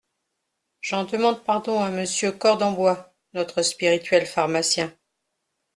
J’en demande pardon à Monsieur Cordenbois, notre spirituel pharmacien…